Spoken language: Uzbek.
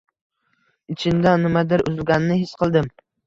Ichimdan nimadir uzilganini his qildim